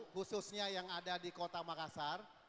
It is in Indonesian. khususnya yang ada di kota makassar